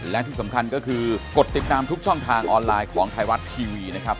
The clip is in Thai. และที่สำคัญก็คือกดติดตามทุกช่องทางออนไลน์ของไทยรัฐทีวีนะครับ